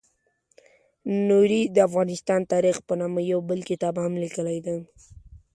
نوري د افغانستان تاریخ په نامه یو بل کتاب هم لیکلی دی.